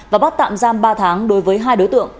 và bắt tạm giam ba tháng đối với hai đối tượng